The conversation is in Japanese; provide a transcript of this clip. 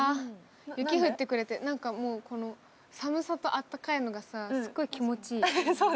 雪降ってくれてなんか、寒さと温かいのがすっごい気持ちいい。